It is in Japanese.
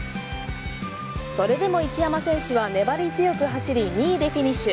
それでも一山選手は粘り強く走り２位でフィニッシュ。